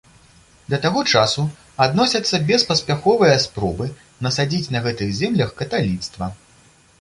Да таго часу адносяцца беспаспяховыя спробы насадзіць на гэтых землях каталіцтва.